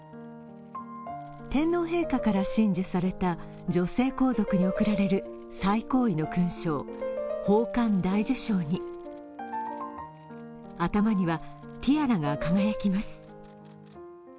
天皇陛下から親授された女性皇族に贈られる最高位の勲章、宝冠大綬章に、頭にはティアラが輝きます。